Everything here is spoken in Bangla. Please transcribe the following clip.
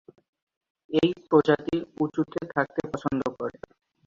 এই প্রজাতি উঁচুতে থাকতে পছন্দ করে।